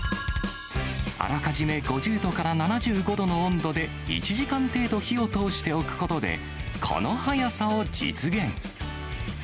あらかじめ５０度から７５度の温度で、１時間程度火を通しておくことで、この早さを実現。